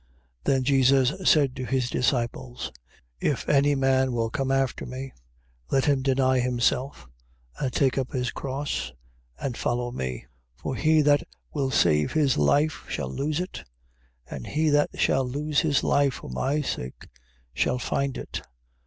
16:24. Then Jesus said to his disciples: If any man will come after me, let him deny himself, and take up his cross, and follow me. 16:25. For he that will save his life, shall lose it: and he that shall lose his life for my sake, shall find it.